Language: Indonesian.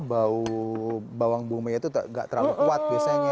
bau bawang bumi itu gak terlalu kuat biasanya